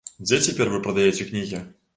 Дзе цяпер вы прадаяце кнігі?